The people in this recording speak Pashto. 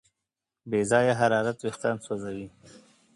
بې ځایه حرارت وېښتيان سوځوي.